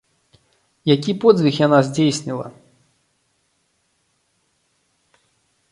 Які подзвіг яна здзейсніла?